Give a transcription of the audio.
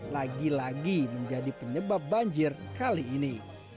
lagi lagi menjadi penyebab banjir kali ini